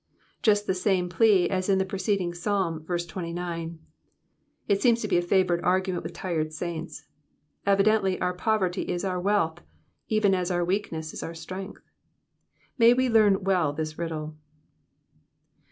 '*'* Just the same plea as in the preceding Psalm, verse 29 : it seems to be a favourite argument with tried saints ; evidently our poverty is our wealth, even as our weakness is our strength. May we learn well this riddle.